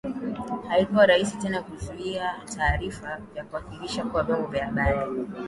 Haikuwa rahisi tena kuzuia taarifa kwa kuhakikisha kuwa vyombo vya habari